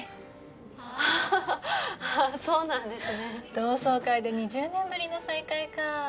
同窓会で２０年ぶりの再会かあ。